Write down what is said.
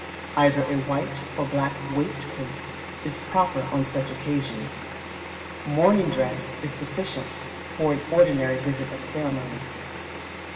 Either a white or black waistcoat is proper on such occasions. Morning dress is sufficient for an ordinary visit of ceremony.